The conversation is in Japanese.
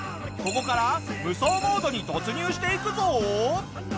ここから無双モードに突入していくぞ！